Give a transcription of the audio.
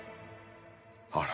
あら。